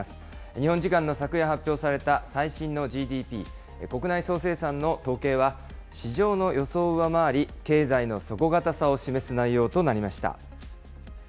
日本時間の昨夜発表された最新のＧＤＰ・国内総生産の統計は、市場の予想を上回り、経済の底堅さを示す内容となりました。